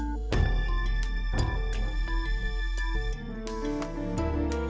dan lu akan kehabisan semua